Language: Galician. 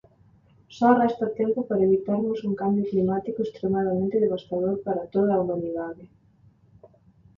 Só resta tempo para evitarmos un cambio climático extremadamente devastador para toda a Humanidade.